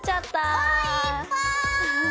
わあいっぱい！